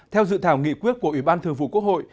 theo dự thảo nghị quyết của ủy ban thường vụ quốc hội